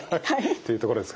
というところですかね。